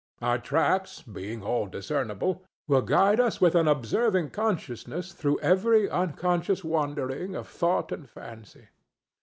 Our tracks, being all discernible, will guide us with an observing consciousness through every unconscious wandering of thought and fancy.